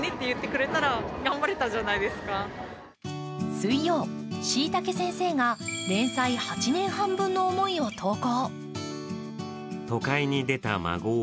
水曜、しいたけ先生が連載８年半分の思いを投稿。